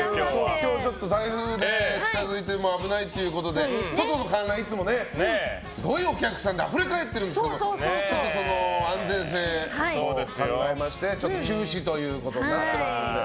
今日、台風が近づいて危ないということで外の観覧いつも、すごいお客さんであふれ返ってるんですけど安全性を考えまして中止ということになっていますので。